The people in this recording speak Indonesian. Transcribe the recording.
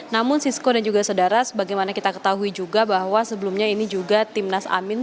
namun sisko dan juga saudara sebagaimana kita ketahui juga bahwa sebelumnya ini juga timnas amin